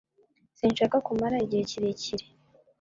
Sinshaka kumara igihe kirekire